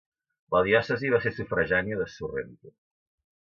La diòcesi va ser sufragània de Sorrento.